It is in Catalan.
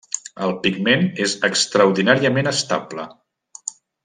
El pigment és extraordinàriament estable.